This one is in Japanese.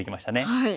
はい。